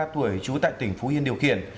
ba mươi tuổi trú tại tỉnh phú yên điều khiển